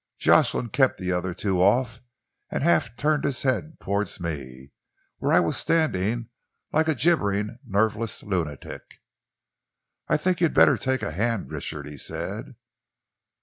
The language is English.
Jocelyn kept the other two off and half turned his head towards me, where I was standing like a gibbering, nerveless lunatic. "'I think you'd better take a hand, Richard,' he said."